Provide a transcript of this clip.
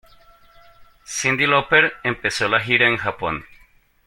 Cyndi Lauper empezó la gira en Japón.